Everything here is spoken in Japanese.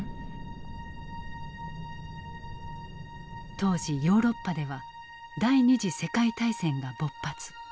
当時ヨーロッパでは第二次世界大戦が勃発。